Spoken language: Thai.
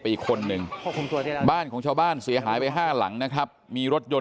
อีกคนนึงบ้านของชาวบ้านเสียหายไปห้าหลังนะครับมีรถยนต์